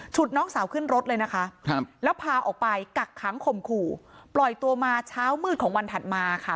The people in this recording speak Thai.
น้องสาวขึ้นรถเลยนะคะครับแล้วพาออกไปกักขังข่มขู่ปล่อยตัวมาเช้ามืดของวันถัดมาค่ะ